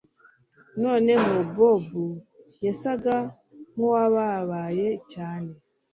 noneho bob yasaga nkuwababaye cyane